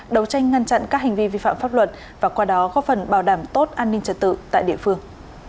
đấu tranh ngăn chặn các hành vi vi phạm pháp luật và qua đó góp phần bảo đảm tốt an ninh trật tự tại địa phương